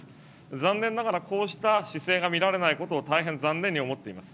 残念ながら、こうした姿勢が見られないことを大変残念に思っています。